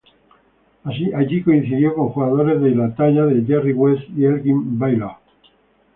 Allí coincidió con jugadores de la talla de Jerry West y Elgin Baylor.